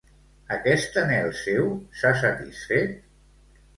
Aquest anhel seu s'ha satisfet?